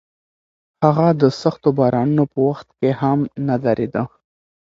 هغه د سختو بارانونو په وخت کې هم نه درېده.